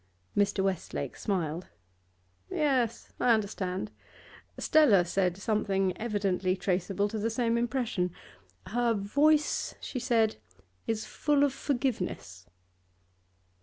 Mr. Westlake smiled. 'Yes, I understand. Stella said something evidently traceable to the same impression; her voice, she said, is full of forgiveness.